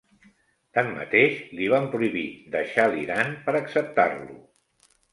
Tanmateix, li van prohibir deixar l'Iran per acceptar-lo.